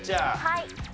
はい。